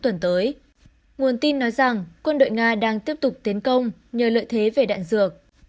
tuần tới nguồn tin nói rằng quân đội nga đang tiếp tục tiến công nhờ lợi thế về đạn dược